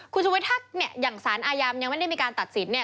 คุณชุวิตถ้าเนี่ยอย่างสารอายามยังไม่ได้มีการตัดสินเนี่ย